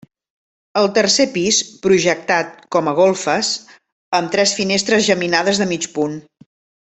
El tercer pis, projectat com a golfes, amb tres finestres geminades de mig punt.